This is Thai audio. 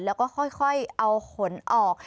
แล้วก็ค่อยเอาขนออก